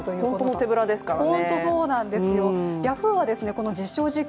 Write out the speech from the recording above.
本当の手ぶらですからね。